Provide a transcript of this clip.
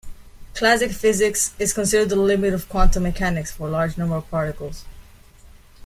Classic physics is considered the limit of quantum mechanics for large number of particles.